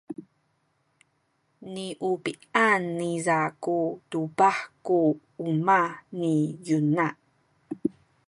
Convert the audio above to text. niubi’an niza tu tubah ku umah ni Yona.